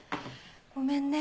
ごめんね。